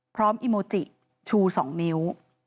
พร้อมอิโมจิชู๒นิ้ว